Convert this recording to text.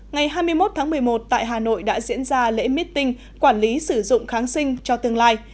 ngày hai mươi một tháng một mươi một tại hà nội đã diễn ra lễ meeting quản lý sử dụng kháng sinh cho tương lai